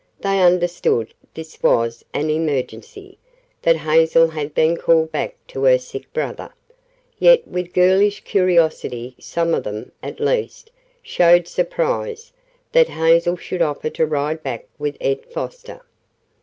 They understood this was an emergency, that Hazel had been called back to her sick brother, yet with girlish curiosity some of them, at least, showed surprise that Hazel should offer to ride back with Ed Foster.